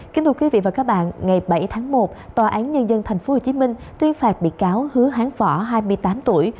kính thưa quý vị và các bạn ngày bảy tháng một tòa án nhân dân tp hcm tuyên phạt bị cáo hứa hán phở hai mươi tám tuổi